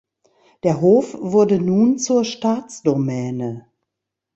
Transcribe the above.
Der Hof wurde nun zur Staatsdomäne.